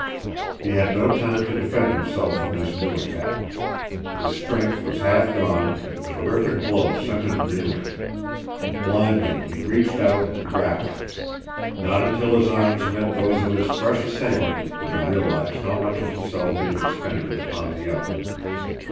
He had no time to defend himself from this new attack. His strength was half gone, and a terrific blow sent him reeling. Blindly he reached out and grappled. Not until his arms met those of his fresh assailant did he realize how much of himself he had expended upon the other.